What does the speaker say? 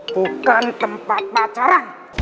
bukan tempat pacaran